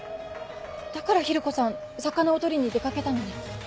だから昼子さん魚を捕りに出掛けたのね。